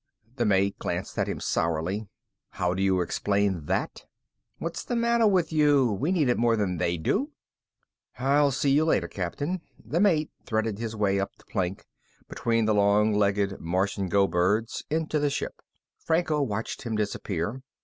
The mate glanced at him sourly. "How do you explain that?" "What's the matter with you? We need it more than they do." "I'll see you later, Captain." The mate threaded his way up the plank, between the long legged Martian go birds, into the ship. Franco watched him disappear.